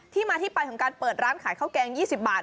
ที่มาที่ไปของการเปิดร้านขายข้าวแกง๒๐บาท